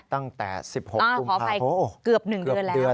ตั้งแต่๑๖ปุ่มภาพอ้าวเกือบ๑เดือนแล้ว